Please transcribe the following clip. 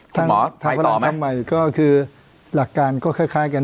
คุณหมอทางพลังธรรมใหม่ก็คือหลักการก็คล้ายคล้ายกัน